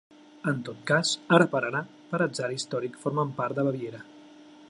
En tot cas, ara per ara, per atzar històric, formen part de Baviera.